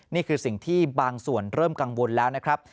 นี่คือสิ่งที่บางส่วนเริ่มกังวลแล้วนะครับ